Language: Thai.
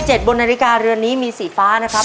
บนนาฬิกาเรือนนี้มีสีฟ้านะครับ